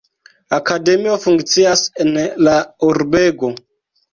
Akademio funkcias en la urbego.